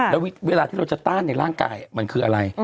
แล้วเวลาที่เราจะต้านในร่างกายมันคืออะไร